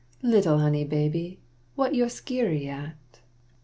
Little honey baby, what yo' skeery at?